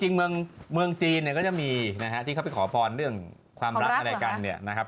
จริงเมืองจีนเนี่ยก็จะมีนะฮะที่เขาไปขอพรเรื่องความรักอะไรกันเนี่ยนะครับ